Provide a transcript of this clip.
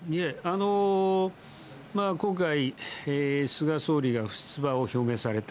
今回、菅総理が不出馬を表明された。